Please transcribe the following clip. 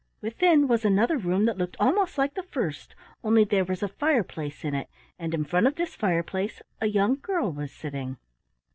Within was another room that looked almost like the first, only there was a fireplace in it, and in front of this fireplace a young girl was sitting.